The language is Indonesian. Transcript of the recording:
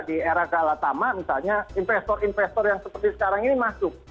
di era kalatama misalnya investor investor yang seperti sekarang ini masuk